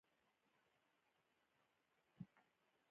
خو پاکستان تر موږ په دې ښه دی چې پر اشاره پوهېږي.